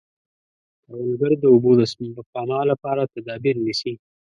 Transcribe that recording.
کروندګر د اوبو د سپما لپاره تدابیر نیسي